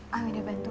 hamidah bantu bu